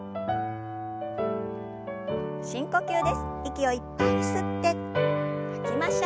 深呼吸です。